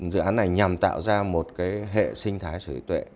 dự án này nhằm tạo ra một hệ sinh thái sở hữu tuệ